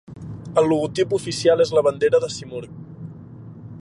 El logotip oficial és la bandera del simurgh.